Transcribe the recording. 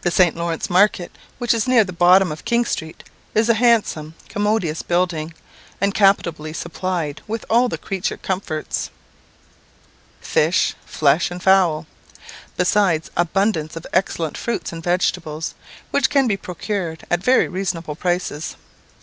The St. Lawrence market, which is near the bottom of King street, is a handsome, commodious building, and capitally supplied with all the creature comforts fish, flesh, and fowl besides abundance of excellent fruits and vegetables, which can be procured at very reasonable prices.